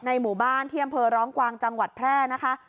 หมู่บ้านที่อำเภอร้องกวางจังหวัดแพร่นะคะ